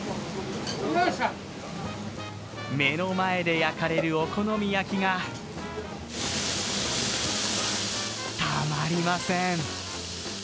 目の前で焼かれるお好み焼きがたまりません。